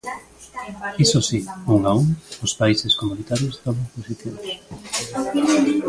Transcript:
Iso si, un a un, os países comunitarios toman posicións.